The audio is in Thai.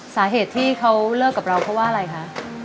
สาเหตุที่เขาเลิกกับเราเพราะว่าอะไรคะ